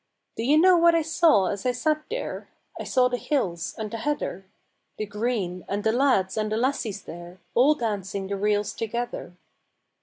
Do you know what I saw as I sat there? I saw the hills and the heather, The green, and the lads and the lassies there All dancing the reels together.